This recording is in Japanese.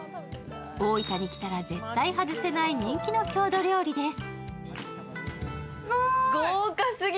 大分に来たら絶対外せない人気の郷土料理です。